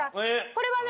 これはね